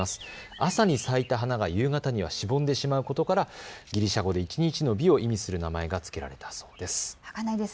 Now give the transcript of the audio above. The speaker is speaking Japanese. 朝に咲いた花が夕方にはしぼんでしまうことからギリシャ語で一日の美を意味する名前が付けられたそうです。